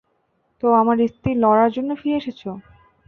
তো তোমার স্ত্রী লরার জন্য ফিরে এসেছো?